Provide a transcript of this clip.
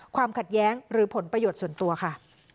ความขัดแย้งหรือผลประโยชน์ส่วนตัวค่ะ